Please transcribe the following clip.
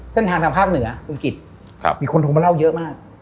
ทางทางภาคเหนือคุณกิจมีคนโทรมาเล่าเยอะมาก